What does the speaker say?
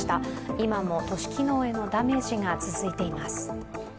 今も都市機能へのダメージが続いています。